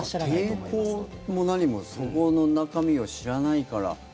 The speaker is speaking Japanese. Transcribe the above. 抵抗も何もそこの中身を知らないから。